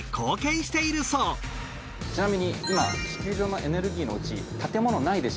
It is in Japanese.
ちなみに今。